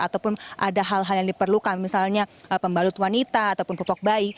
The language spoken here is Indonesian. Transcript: ataupun ada hal hal yang diperlukan misalnya pembalut wanita ataupun pupuk bayi